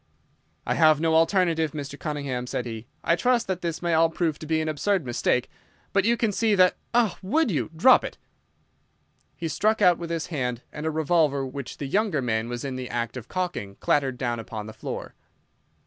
"I have no alternative, Mr. Cunningham," said he. "I trust that this may all prove to be an absurd mistake, but you can see that—Ah, would you? Drop it!" He struck out with his hand, and a revolver which the younger man was in the act of cocking clattered down upon the floor.